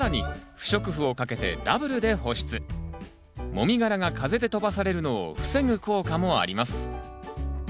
もみ殻が風で飛ばされるのを防ぐ効果もあります。